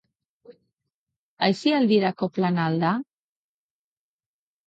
Aisialdirako plana al da?